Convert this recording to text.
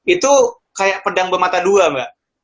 itu kayak pedang bermata dua mbak